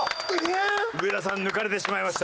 上田さん抜かれてしまいました。